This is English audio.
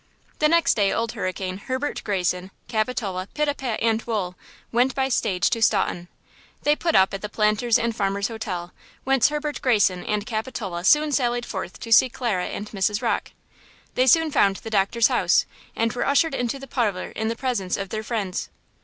The next day Old Hurricane, Herbert Greyson, Capitola, Pitapat and Wool went by stage to Staunton. They put up at the Planters' and Farmers' Hotel, whence Herbert Greyson and Capitola soon sallied forth to see Clara and Mrs. Rocke. They soon found the doctor's house, and were ushered into the parlor in the presence of their friends.